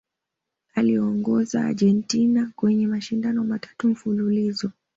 aliiongoza Argentina kwenye mashindano matatu mfululizo